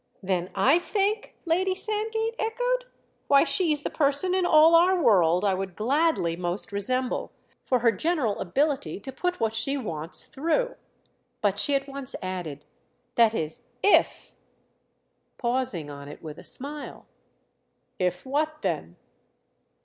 "Than I think?" Lady Sandgate echoed. "Why, she's the person in all our world I would gladly most resemble—for her general ability to put what she wants through." But she at once added: "That is if—!" pausing on it with a smile. "If what then?"